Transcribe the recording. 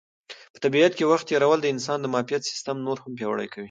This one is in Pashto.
په طبیعت کې وخت تېرول د انسان د معافیت سیسټم نور هم پیاوړی کوي.